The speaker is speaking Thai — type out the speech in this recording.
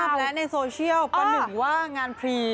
วันนี้ภาพแล้วในโซเชียลก็หนึ่งว่างานพรี